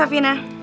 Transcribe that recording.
ambil aja uangnya